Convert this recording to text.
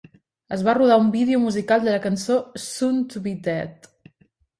Es va rodar un vídeo musical de la cançó "Soon to be Dead".